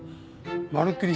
まるっきり